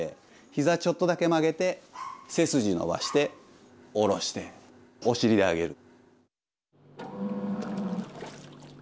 ひざちょっとだけ曲げて背筋伸ばして下ろしてお尻で上げる。